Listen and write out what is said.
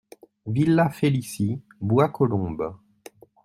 Villa Félicie, Bois-Colombes